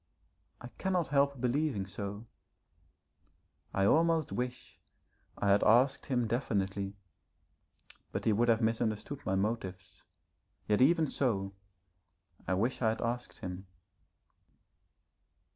I cannot help believing so. I almost wish I had asked him definitely, but he would have misunderstood my motives. Yet, even so, I wish I had asked him.